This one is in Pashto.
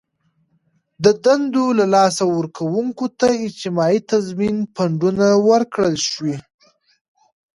د دندو له لاسه ورکوونکو ته اجتماعي تضمین فنډونه ورکړل شي.